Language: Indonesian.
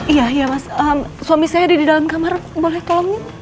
iya iya mas suami saya ada di dalam kamar boleh kolongnya